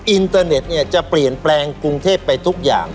อินเตอร์เน็ตจะเปลี่ยนแปลงกรุงเทพไปทุกอย่าง